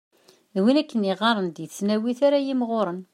D win akken i yeɣɣaren deg tesnawit ara yimɣuren.